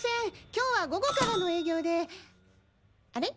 今日は午後からの営業であれ？